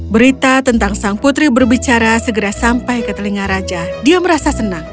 berita tentang sang putri berbicara segera sampai ke telinga raja dia merasa senang